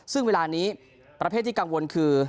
ซึ่งเวลานี้ประเภทที่กังวลคือ